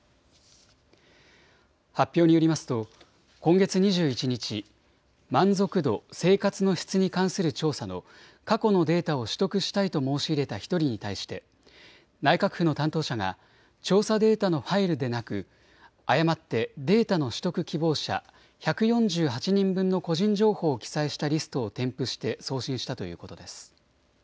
発表によりますと今月２１日、満足度・生活の質に関する調査の過去のデータを取得したいと申し入れた１人に対して内閣府の担当者が調査データのファイルでなく誤ってデータの取得希望者１４８人分の個人情報を記載したリストを添付して送信したということです。